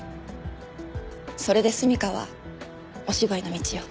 それで純夏はお芝居の道を。